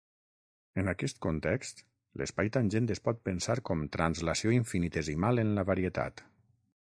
En aquest context, l'espai tangent es pot pensar com translació infinitesimal en la varietat.